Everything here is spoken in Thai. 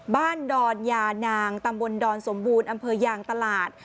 ดอนยานางตำบลดอนสมบูรณ์อำเภอยางตลาด